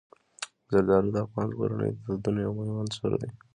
زردالو د افغان کورنیو د دودونو یو مهم عنصر دی.